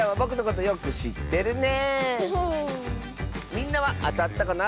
みんなはあたったかな？